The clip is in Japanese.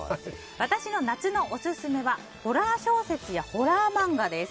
私の夏のオススメはホラー小説やホラー漫画です。